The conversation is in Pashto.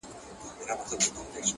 هغه مړ له مــسته واره دى لوېـدلى،